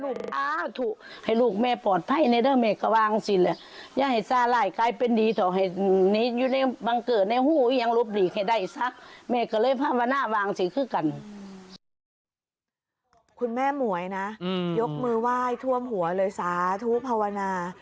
คุณแม่หมวยนะยกมือไหว้ท่วมหัวเลยสาธุภาวนา